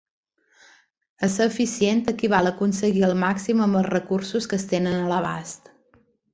Ésser eficient equival a aconseguir el màxim amb els recursos que es tenen a l'abast.